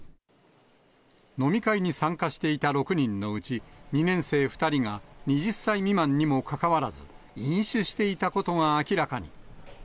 飲み会に参加していた６人のうち、２年生２人が、２０歳未満にもかかわらず、飲酒していたことが明らかに。